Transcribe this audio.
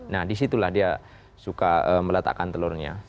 nah di situlah dia suka meletakkan telurnya